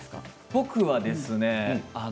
僕はですね